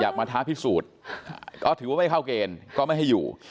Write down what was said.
ก็ถือว่าไม่เข้าเกณฑ์ก็ไม่ให้อยู่